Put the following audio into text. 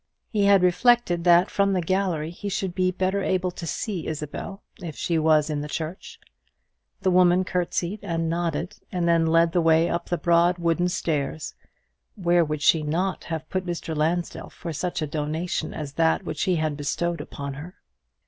He had reflected that from the gallery he should be better able to see Isabel, if she was in the church. The woman curtsied and nodded, and then led the way up the broad wooden stairs: where would she not have put Mr. Lansdell for such a donation as that which he had bestowed upon her!